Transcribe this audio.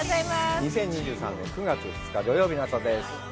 ２０２３年９月２日、土曜日の朝です。